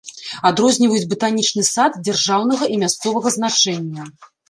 Адрозніваюць батанічны сад дзяржаўнага і мясцовага значэння.